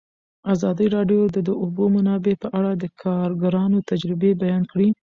ازادي راډیو د د اوبو منابع په اړه د کارګرانو تجربې بیان کړي.